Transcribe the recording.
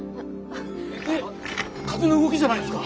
えっ風の動きじゃないんですか？